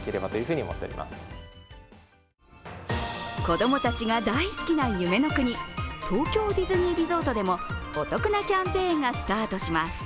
子供たちが大好きな夢の国、東京ディズニーリゾートでもお得なキャンペーンがスタートします。